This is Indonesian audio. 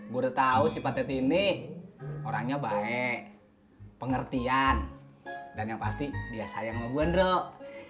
gue udah tahu si patet ini orangnya baik pengertian dan yang pasti dia sayang sama gue ndrok